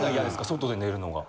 外で寝るのが。